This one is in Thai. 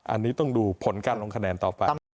อันนี้ต้องดูผลการลงคะแนนต่อไป